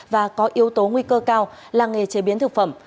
và có yếu tố nguy cơ cao là nghề chế biến thực phẩm